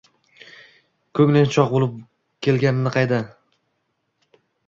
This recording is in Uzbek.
koʻngling chogʻ boʻlib kelgani qayda